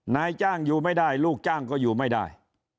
นายจ้างอยู่ไม่ได้ลูกจ้างก็อยู่ไม่ได้